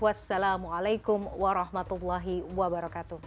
wassalamualaikum warahmatullahi wabarakatuh